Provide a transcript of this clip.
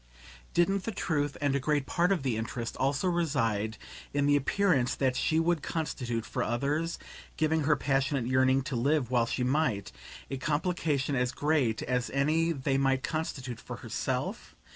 Didn't the truth and a great part of the interest also reside in the appearance that she would constitute for others (given her passionate yearning to live while she might) a complication as great as any they might constitute for herself?